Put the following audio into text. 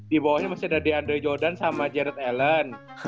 di bawahnya masih ada deandre jordan sama jared allen